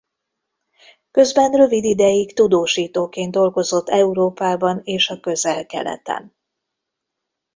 Közben rövid ideig tudósítóként dolgozott Európában és a Közel-Keleten.